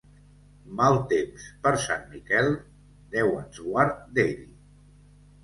Mal temps per Sant Miquel, Déu ens guard d'ell.